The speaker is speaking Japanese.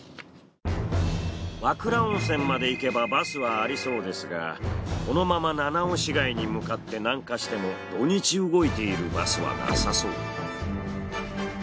和倉温泉まで行けばバスはありそうですがこのまま七尾市街に向かって南下しても土日動いているバスはなさそう。